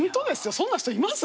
そんな人います？